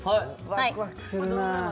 ワクワクするな。